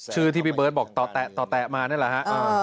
ชื่อที่พี่เบิร์ตบอกต่อแตะมานั่นแหละฮะ